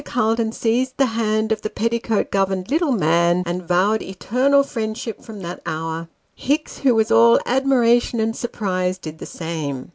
Calton seized the hand of the petticoat governed little man, and vowed eternal friendship from that hour. Hicks, who was all admira tion and surprise, did the same.